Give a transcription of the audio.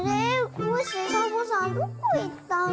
コッシーサボさんどこいったの？